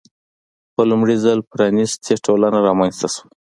په لومړي ځل پرانیستې ټولنه رامنځته شوه.